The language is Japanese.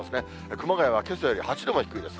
熊谷はけさより８度も低いです。